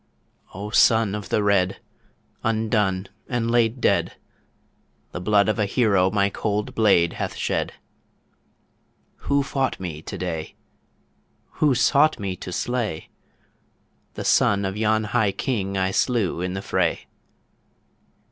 O Son of The Red, Undone and laid dead The blood of a hero My cold blade hath shed. Who fought me to day? Who sought me to slay? The son of yon High King I slew in the fray.